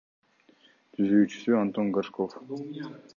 Түзүүчүсү — Антон Горшков.